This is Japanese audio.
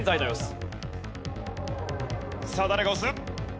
さあ誰が押す？